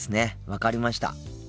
分かりました。